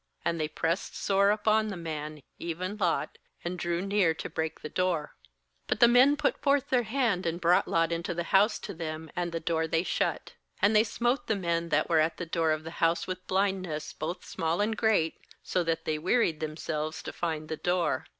And they pressed sore upon the man, even Lot, and drew near to break the door. °But the men put forth their hand, and brought Lot into the house to 20 GENESIS 19.33 them, and the door they shut. uAnd they smote the men that were at the door of the house with blindness, both small and great; so that they wearied themselves to find the door.